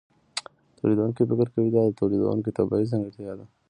تولیدونکی فکر کوي دا د توکو طبیعي ځانګړتیا ده